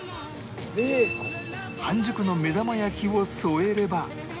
半熟の目玉焼きを添えれば